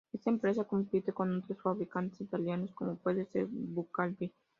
Esta empresa compite con otros fabricantes italianos como puede ser Ducati.